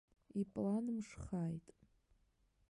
Иплан мшхааит!